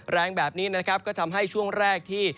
แรงแบบนี้ก็ทำให้ช่วงแรกที่